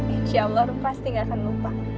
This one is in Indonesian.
insya allah ruh pasti nggak akan lupa